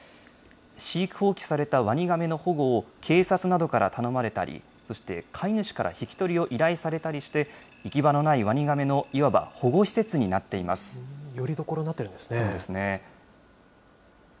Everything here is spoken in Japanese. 飼育放棄されたワニガメの保護を警察などから頼まれたり、そして飼い主から引き取りを依頼されたりして、行き場のないワニガメのよりどころになってるんですそうですね。